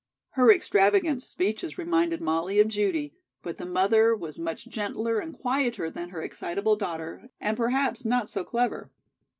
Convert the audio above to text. Her extravagant speeches reminded Molly of Judy; but the mother was much gentler and quieter than her excitable daughter, and perhaps not so clever.